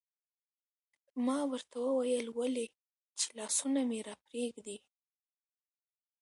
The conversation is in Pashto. ما ورته وویل: ولې؟ چې لاسونه مې راپرېږدي.